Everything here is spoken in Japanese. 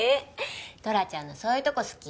トラちゃんのそういうとこ好き。